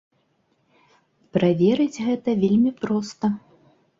Праверыць гэта вельмі проста.